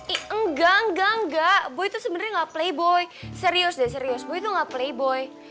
ih engga engga engga boy tuh sebenernya ga playboy serius deh serius boy tuh ga playboy